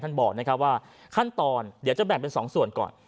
ท่านบอลนะฮะว่าขั้นตอนเดี๋ยวจะแบ่งเป็นสองส่วนก่อน